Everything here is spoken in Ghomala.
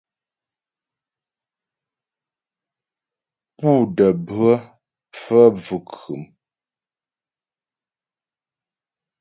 Pú də́ bhə phə́ bvʉ̀khʉm.